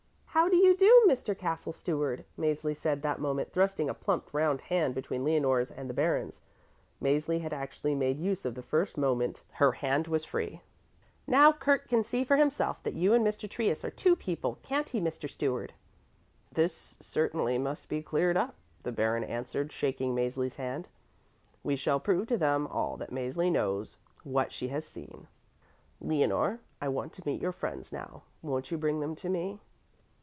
"How do you do, Mr. Castle Steward," Mäzli said that moment, thrusting a plump, round hand between Leonore's and the Baron's. Mäzli had actually made use of the first moment her hand was free. "Now Kurt can see for himself that you and Mr. Trius are two people; can't he, Mr. Steward?" "This certainly must be cleared up," the Baron answered, shaking Mäzli's hand. "We shall prove to them all that Mäzli knows what she has seen. Leonore, I want to meet your friends now. Won't you bring them to me?"